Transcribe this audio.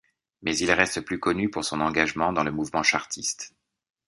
Mais il reste plus connu pour son engagement dans le mouvement chartiste.